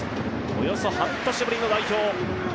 およそ半年ぶりの代表。